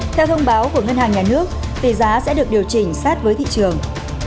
theo thông báo của ngân hàng nhà nước tỷ giá sẽ được điều chỉnh sát với thị trường